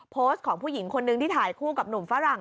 โพสต์ของผู้หญิงคนนึงที่ถ่ายคู่กับหนุ่มฝรั่ง